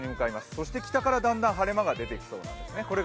そして北からだんだん晴れ間が出てきます。